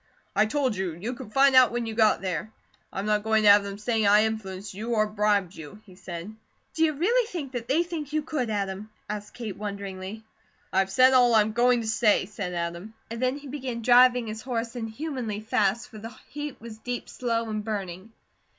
"I told you, you could find out when you got there. I'm not going to have them saying I influenced you, or bribed you," he said. "Do you really think that they think you could, Adam?" asked Kate, wonderingly. "I have said all I'm going to say," said Adam, and then he began driving his horse inhumanely fast, for the heat was deep, slow, and burning.